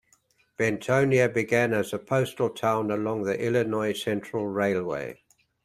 Bentonia began as a postal town along the Illinois Central Railway.